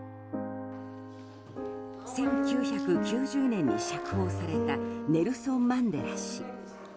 １９９０年に釈放されたネルソン・マンデラ氏。